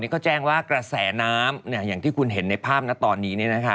ก็แจ้งว่ากระแสน้ำอย่างที่คุณเห็นในภาพนะตอนนี้